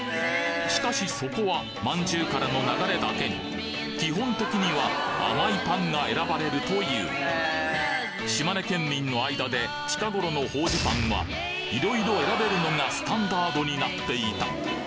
しかしそこはまんじゅうからの流れだけに基本的には甘いパンが選ばれるという島根県民の間で近頃の法事パンはいろいろ選べるのがスタンダードになっていた